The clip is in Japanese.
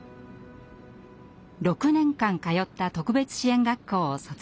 ６年間通った特別支援学校を卒業。